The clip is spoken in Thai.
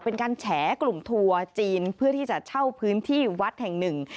เป็นการแฉกลุ่มทัวร์จีนเพื่อที่จะเช่าพื้นที่วัดแห่งหนึ่ง